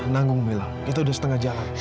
nanggung mila kita udah setengah jalan